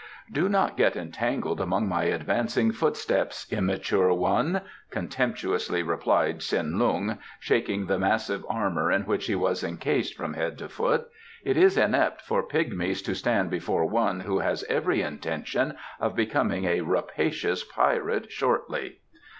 "Do not get entangled among my advancing footsteps, immature one," contemptuously replied Tsin Lung, shaking the massive armour in which he was encased from head to foot. "It is inept for pigmies to stand before one who has every intention of becoming a rapacious pirate shortly."